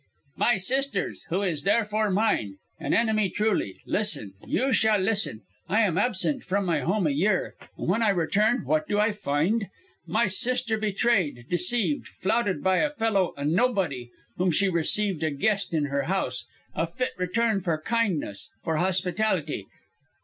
"My sister's, who is therefore mine. An enemy truly. Listen, you shall judge. I am absent from my home a year, and when I return what do I find? My sister betrayed, deceived, flouted by a fellow, a nobody, whom she received a guest in her house, a fit return for kindness, for hospitality!